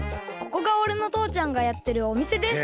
ここがおれのとうちゃんがやってるおみせです！